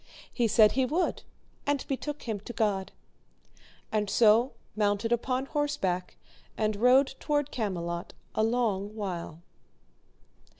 He said he would, and betook him to God. And so mounted upon horseback and rode towards Camelot a long while.